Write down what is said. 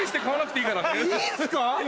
いいんすか？